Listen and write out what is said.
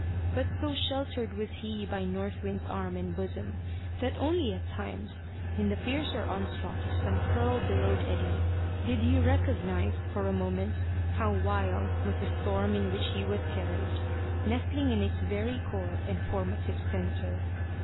But so sheltered was he by North Wind's arm and bosom that only at times, in the fiercer onslaught of some curl billowed eddy, did he recognise for a moment how wild was the storm in which he was carried, nestling in its very core and formative centre.